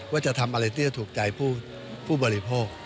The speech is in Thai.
ว่าจะทำอะไรที่จะถูกใจผู้บริโภค